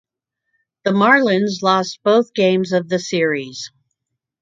The Marlins lost both games of the series.